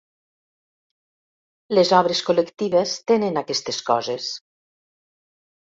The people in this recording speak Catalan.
Les obres col·lectives tenen aquestes coses.